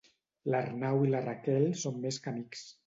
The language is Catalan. L'Arnau i la Raquel són més que amics.